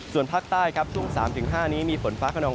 ส่วนภาคใต้ครับช่วง๓๕นี้มีฝนฟ้าขนอง